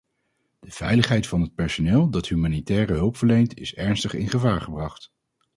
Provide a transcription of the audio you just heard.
De veiligheid van het personeel dat humanitaire hulp verleent is ernstig in gevaar gebracht.